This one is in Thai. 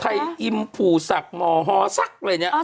ใครอิ่มผู้ศักดิ์หมอฮศักดิ์อะไรอย่างนี้